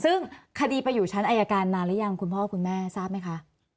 ซึ่งคดีไปอยู่ชั้นอายการนานหรือยังคุณพ่อคุณแม่ทราบไหมคะ